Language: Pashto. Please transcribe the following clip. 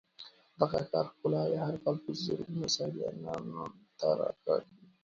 د دغه ښار ښکلاوې هر کال په زرګونو سېلانیان ځان ته راکاږي.